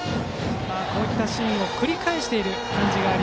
こういったシーンを繰り返している感じがする